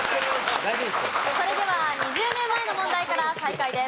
それでは２０年前の問題から再開です。